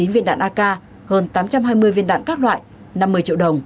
hai mươi chín viên đạn ak hơn tám trăm hai mươi viên đạn các loại năm mươi triệu đồng